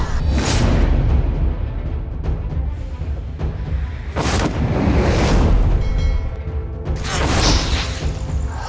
sampai jumpa di video selanjutnya